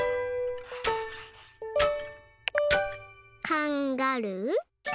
カンガルー。